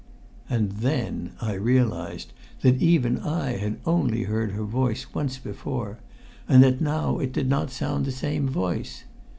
And then I realised that even I had only heard her voice once before, and that now it did not sound the same voice.